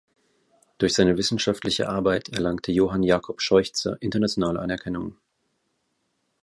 Durch seine wissenschaftliche Arbeit erlangte Johann Jakob Scheuchzer internationale Anerkennung.